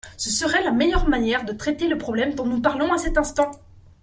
Ce serait la meilleure manière de traiter le problème dont nous parlons à cet instant.